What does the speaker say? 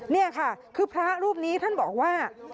นี่ค่ะคือพระรูปนี้ท่านบอกว่า